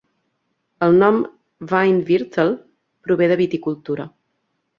El nom Weinviertel prové de viticultura.